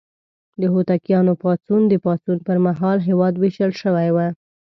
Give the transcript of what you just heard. د هوتکیانو پاڅون: د پاڅون پر مهال هېواد ویشل شوی و.